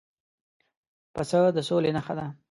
پسه د سولې نښه ده.